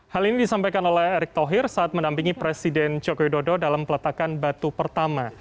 hal ini disampaikan oleh erick thohir saat menampingi presiden joko widodo dalam peletakan batu pertama